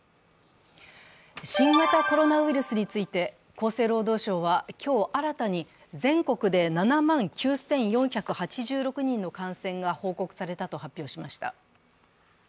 新型コロナウイルスについて、厚生労働省は今日新たに、全国で７万９４８６人の感染が報告されたと発表しました。